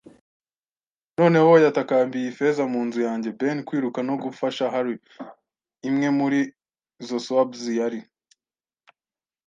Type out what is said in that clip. “Noneho?” Yatakambiye Ifeza. “Mu nzu yanjye! Ben, kwiruka no gufasha Harry. Imwe muri izo swabs, yari